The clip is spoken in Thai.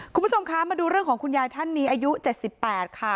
คุณผู้ชมคะมาดูเรื่องของคุณยายท่านนี้อายุ๗๘ค่ะ